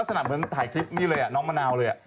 ลักษณะเหมือนถ่ายคลิปนี่เลยน้องมะนาวเลย